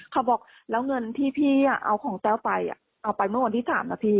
เขาบอกแล้วเงินที่พี่เอาของแต้วไปเอาไปเมื่อวันที่๓นะพี่